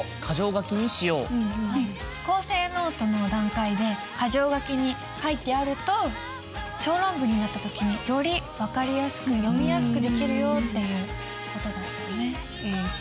構成ノートの段階で箇条書きに書いてあると小論文になった時により分かりやすく読みやすくできるよっていう事だったよね。